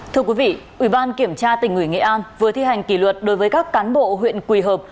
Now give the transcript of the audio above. thưa quý vị ủy ban kiểm tra tỉnh ủy nghệ an vừa thi hành kỷ luật đối với các cán bộ huyện quỳ hợp